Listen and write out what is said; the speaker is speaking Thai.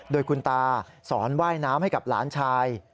โดยคุณตาสอนว่ายน้ำให้กับหลานชาย